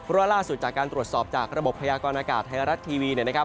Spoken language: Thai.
ล่าสุดจากการตรวจสอบจากระบบพยากรณากาศไทยรัฐทีวีเนี่ยนะครับ